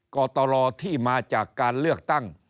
กตรที่มาจากการเลือกตั้ง